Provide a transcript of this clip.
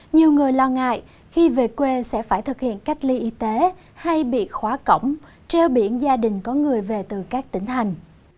nhiều người lo ngại khi về quê sẽ phải thực hiện cách ly y tế hay bị khóa cổng treo biển gia đình có người về từ các tỉnh hành